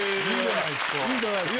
いいじゃないですか！